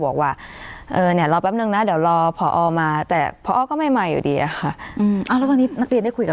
คำเกี่ยวกับวันนี้ยังไงค่ะ